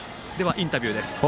インタビューです。